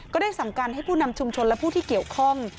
ก็ได้สั่งการให้ผู้นำชุมชนและผู้ที่เกี่ยวข้อง